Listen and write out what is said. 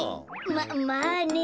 ままあね。